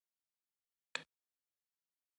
شواهد ښیي چې په مصر کې ښایي همداسې بدلون رامنځته شي.